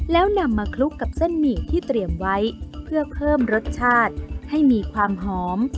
แล้วนำมาคลุกกับเส้นหมี่ที่เตรียมไว้เพื่อเพิ่มรสชาติให้มีความหอม